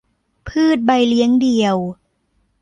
พืชใบเลี้ยงเดี่ยว